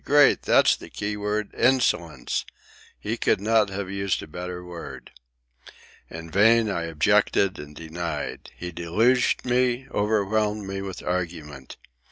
"Great! That's the keynote. Insolence! He could not have used a better word." In vain I objected and denied. He deluged me, overwhelmed me with argument.